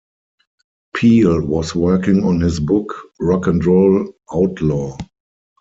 Peel was working on his book "Rock and Roll Outlaw".